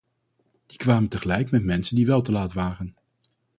Die kwamen tegelijk met mensen die wel te laat waren.